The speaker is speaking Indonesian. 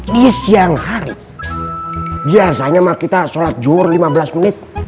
di siang hari biasanya kita sholat jur lima belas menit